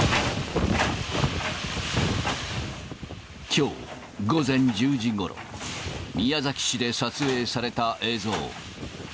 きょう午前１０時ごろ、宮崎市で撮影された映像。